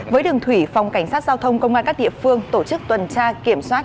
với đường thủy phòng cảnh sát giao thông công an các địa phương tổ chức tuần tra kiểm soát